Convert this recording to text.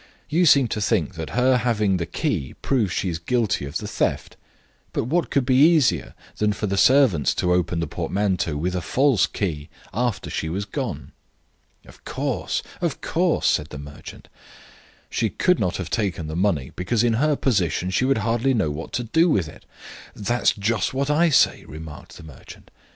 "You seem to think that her having the key proves she is guilty of the theft; but what could be easier than for the servants to open the portmanteau with a false key after she was gone?" "Of course, of course," said the merchant. "She could not have taken the money, because in her position she would hardly know what to do with it." "That's just what I say," remarked the merchant.